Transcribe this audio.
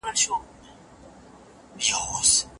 ميندي او پلرونه لوڼي خپلو خاوندانو ته څنګه پاروي؟